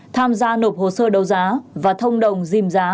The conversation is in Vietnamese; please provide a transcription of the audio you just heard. tham gia nộp hồ sơ đấu giá và thông đồng dìm giá